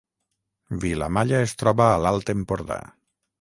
Vilamalla es troba a l’Alt Empordà